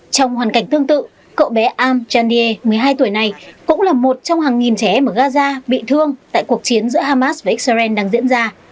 trong hoàn cảnh tương tự cậu bé am chandier một mươi hai tuổi này cũng là một trong hàng nghìn trẻ em ở gaza bị thương tại cuộc chiến giữa hamas và israel đang diễn ra